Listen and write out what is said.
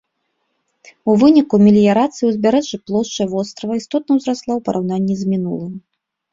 У выніку меліярацыі ўзбярэжжа плошча вострава істотна ўзрасла ў параўнанні з мінулым.